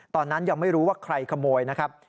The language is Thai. ตอนนั้นยังไม่รู้ว่าใครขโมยนะครับ